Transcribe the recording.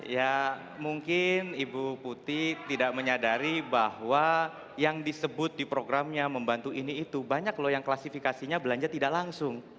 ya mungkin ibu putih tidak menyadari bahwa yang disebut di programnya membantu ini itu banyak loh yang klasifikasinya belanja tidak langsung